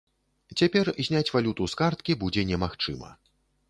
Цяпер зняць валюту з карткі будзе немагчыма.